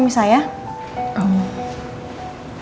jadi ini yang sedikit banget ya dok